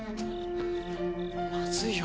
まずいよ。